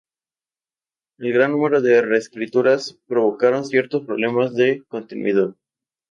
El gran número de reescrituras provocaron ciertos problemas de continuidad.